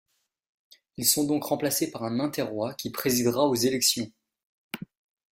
Ils sont donc remplacés par un interroi qui présidera aux élections.